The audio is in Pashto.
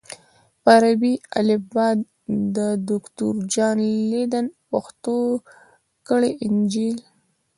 په عربي الفبا د دوکتور جان لیدن پښتو کړی انجیل